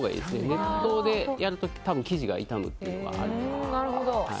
熱湯でやると生地が傷むっていうのがあるので。